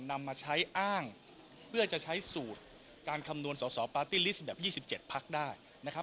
นำมาใช้อ้างเพื่อจะใช้สูตรการคำนวณสอสอปาร์ตี้ลิสต์แบบ๒๗พักได้นะครับ